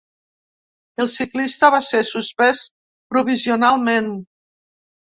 El ciclista va ser suspès provisionalment.